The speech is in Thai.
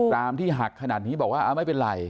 รามที่หักขนาดนี้บอกว่าไม่เป็นไร